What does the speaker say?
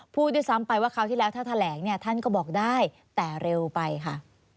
พูดด้วยซ้ำไปว่าคราวที่แล้วถ้าแถลงเนี่ยท่านก็บอกได้แต่เร็วไปค่ะ